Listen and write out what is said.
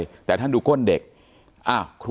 แต่ท่านดูก้นเด็ก